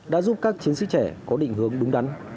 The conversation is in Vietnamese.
đã giúp các chiến sĩ trẻ có định hướng đúng đắn